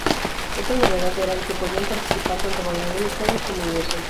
Otra novedad era el que podían participar tanto bailarines solos como en grupos.